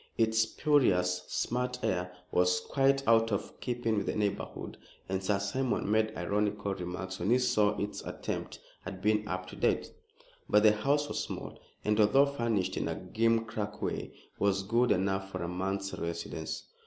Its spurious, smart air was quite out of keeping with the neighborhood, and Sir Simon made ironical remarks when he saw its attempt at being up to date. But the house was small, and, although furnished in a gimcrack way, was good enough for a month's residence.